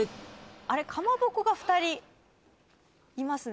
あれ「かまぼこ」が２人いますね